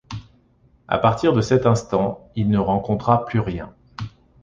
À partir de cet instant, il ne rencontra plus rien.